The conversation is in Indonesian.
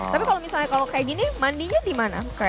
tapi kalau misalnya kalau kayak gini mandinya di mana